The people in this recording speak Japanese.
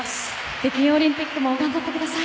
北京オリンピックも頑張ってください。